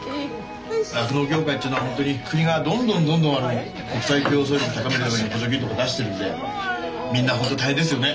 酪農業界っていうのはホントに国がどんどんどんどん国際競争力高めるために補助金とか出してるんでみんなホント大変ですよね。